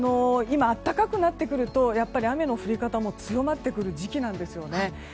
今、暖かくなりますと雨の降り方も強まってくる時期なんですよね。